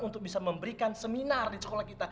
untuk bisa memberikan seminar di sekolah kita